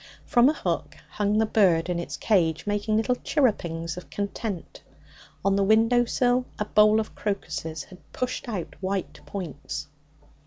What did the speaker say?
From a hook hung the bird in its cage, making little chirrupings of content. On the window sill a bowl of crocuses had pushed out white points.